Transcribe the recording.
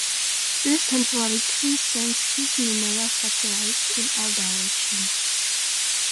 This temporary king sends his numerous satellites in all directions.